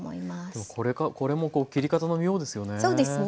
これも切り方の妙ですよね。